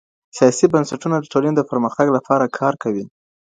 سياسي بنسټونه د ټولني د پرمختګ لپاره کار کوي.